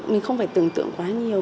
mình không phải tưởng tượng quá nhiều